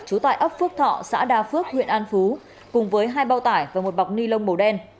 trú tại ấp phước thọ xã đa phước huyện an phú cùng với hai bao tải và một bọc ni lông màu đen